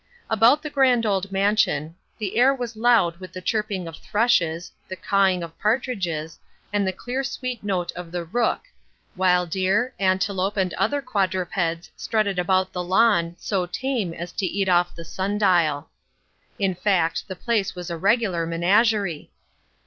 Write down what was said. About the grand old mansion the air was loud with the chirping of thrushes, the cawing of partridges and the clear sweet note of the rook, while deer, antelope and other quadrupeds strutted about the lawn so tame as to eat off the sun dial. In fact, the place was a regular menagerie.